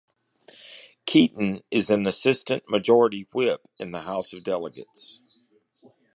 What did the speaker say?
Keaton is an assistant majority whip in the House of Delegates.